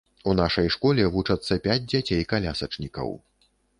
У нашай школе вучацца пяць дзяцей-калясачнікаў.